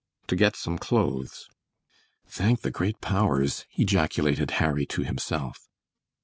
"To get some clothes." "Thank the great powers!" ejaculated Harry to himself.